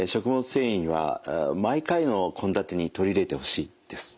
繊維は毎回の献立に取り入れてほしいです。